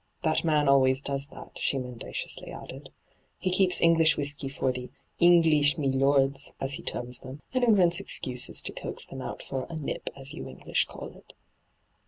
' That man always does that/ she mendaciously added. ' He keeps English whisky for the " Eenglish mUords," as he terms them, and invents excuses to coax them out for a " nip," fts you English call it.'